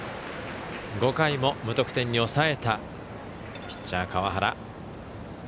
５回も無得点に抑えたピッチャー川原。